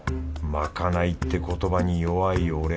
まかないって言葉に弱い俺。